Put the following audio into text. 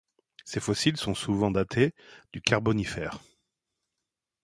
Ces fossiles sont souvent datés du Carbonifère.